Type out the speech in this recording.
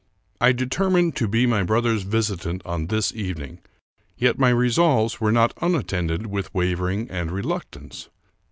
I determined to be my brother's visitant on this evening; yet my resolves were not unattended with wavering and re luctance.